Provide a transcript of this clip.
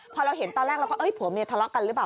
พอเราเห็นตอนแรกเราก็เอ้ยผัวเมียทะเลาะกันหรือเปล่า